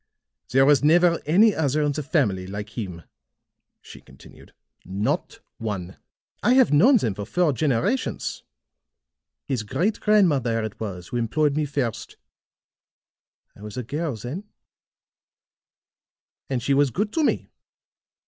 "There was never any other in the family like him," she continued. "Not one. I have known them for four generations. His great grandmother it was who employed me first; I was a girl then, and she was good to me.